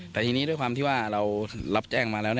แต่ทีนี้ด้วยความที่ว่าเรารับแจ้งมาแล้ว